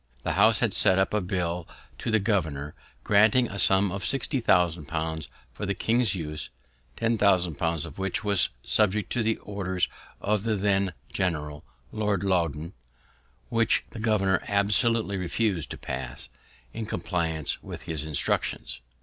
The House had sent up a bill to the governor, granting a sum of sixty thousand pounds for the king's use (ten thousand pounds of which was subjected to the orders of the then general, Lord Loudoun), which the governor absolutely refus'd to pass, in compliance with his instructions.